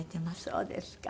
そうですか。